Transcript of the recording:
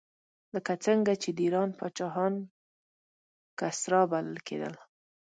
لکه څنګه چې د ایران پاچاهان کسرا بلل کېدل.